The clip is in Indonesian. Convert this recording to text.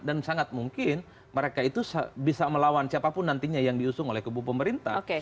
dan sangat mungkin mereka itu bisa melawan siapapun nantinya yang diusung oleh kubu pemerintah